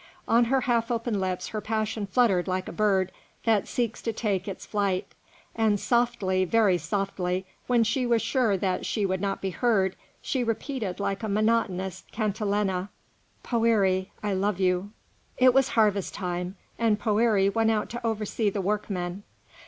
On her half open lips her passion fluttered like a bird that seeks to take its flight; and softly, very softly, when she was sure that she would not be heard, she repeated like a monotonous cantilena, "Poëri, I love you." It was harvest time, and Poëri went out to oversee the workmen.